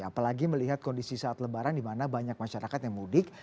apalagi melihat kondisi saat lebaran di mana banyak masyarakat yang mudik